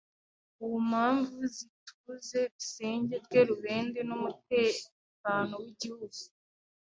ku mpemvu z’ituze rusenge rye rubende n’umutekeno w’igihugu,